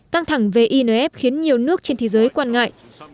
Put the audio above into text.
căng thẳng về inf khiến nhiều nước trên thế giới quan ngại